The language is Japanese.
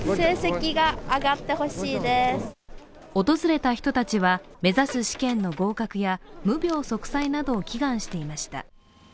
訪れた人たちは、目指す試験の合格や無病息災などを祈願していました。